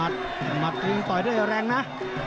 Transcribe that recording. ต่อยด้วยแรงนะ